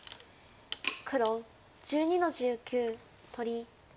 黒１２の十九取り。